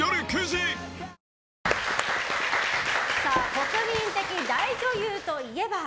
国民的大女優といえば？